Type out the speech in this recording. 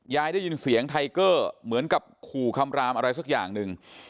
ยายได้ยินเสียงไทเกอร์เหมือนกับขู่คำรามอะไรสักอย่างหนึ่ง